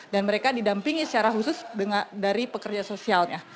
dan mereka didampingi secara khusus dari pekerja sosialnya